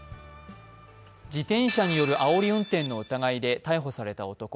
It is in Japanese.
自転車によるあおり運転の疑いで逮捕された男。